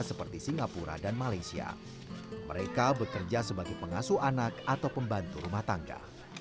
seperti singapura dan malaysia mereka bekerja sebagai pengasuh anak atau pembantu rumah tangga